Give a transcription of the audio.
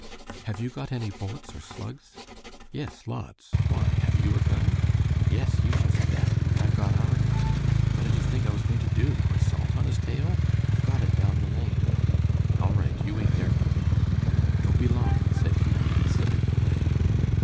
"Have you got any bullets or slugs?" "Yes, lots. Why? Have you a gun?" "Yes, you just bet! I've got our gun. What did you think I was going to do? Put salt on his tail? I've got it down the lane." "All right, you wait there for me." "Don't be long," said Hughie, slipping away.